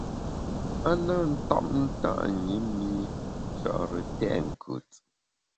A na tap nta’ ṅi mi Nchare tèt nkùt.